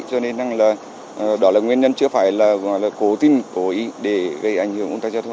cho nên là đó là nguyên nhân chứa phải là cố tìm cố ý để gây ảnh hưởng ông ta cho thôi